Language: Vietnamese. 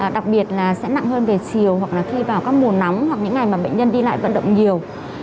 đặc biệt là sẽ nặng hơn về chiều hoặc là khi vào các mùa nóng hoặc những ngày mà bệnh nhân đi lại vận động nhiều